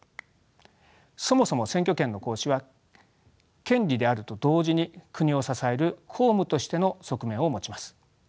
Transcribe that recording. そもそも選挙権の行使は権利であると同時に国を支える公務としての側面を持ちます。